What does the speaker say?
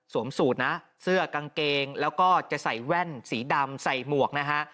สูตรนะเสื้อกางเกงแล้วก็จะใส่แว่นสีดำใส่หมวกนะฮะ